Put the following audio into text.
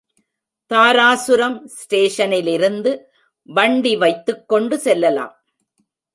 தாராசுரம் ஸ்டேஷனிலிருந்து வண்டி வைத்துக் கொண்டு செல்லலாம்.